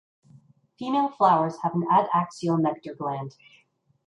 Female flowers have an adaxial nectar gland.